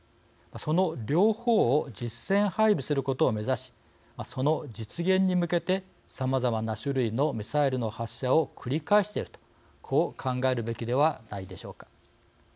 その両方を実戦配備することを目指しその実現に向けてさまざまな種類のミサイルの発射を繰り返しているとこう考えるべきではないでしょうか。